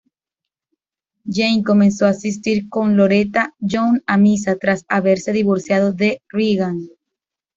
Jane comenzó a asistir con Loretta Young a misa, tras haberse divorciado de Reagan.